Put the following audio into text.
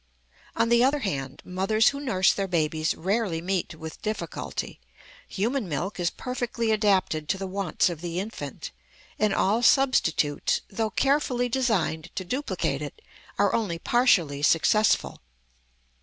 On the other hand, mothers who nurse their babies rarely meet with difficulty. Human milk is perfectly adapted to the wants of the infant; and all substitutes, though carefully designed to duplicate it, are only partially successful.